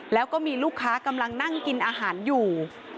แล้วก็มีลูกค้ากำลังนั่งกินอาหารอยู่